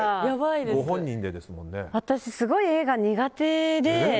私、すごい絵が苦手で。